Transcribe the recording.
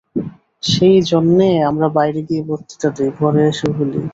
সেইজন্যে আমরা বাইরে গিয়ে বক্তৃতা দিই, ঘরে এসে ভুলি।